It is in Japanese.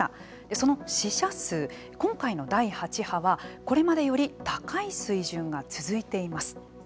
その死者数、今回の第８波はこれまでより高い水準が続いています。